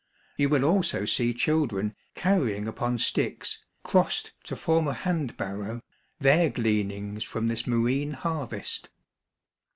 You will also see children carrying upon sticks, crossed to form a handbarrow, their gleanings from this marine harvest.